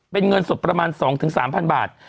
เป็นเงินสดประมาณ๒๓๐๐บาท